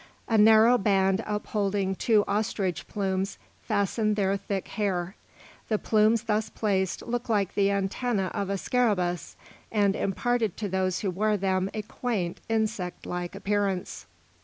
A narrow band upholding two ostrich plumes fastened their thick hair. The plumes thus placed looked like the antennæ of a scarabæus, and imparted to those who wore them a quaint, insect like appearance.